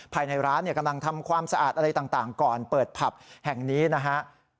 ภายในร้านกำลังทำความสะอาดอะไรต่างก่อนเปิดผับแห่งนี้นะฮะ